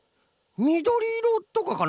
みどりいろとかかな？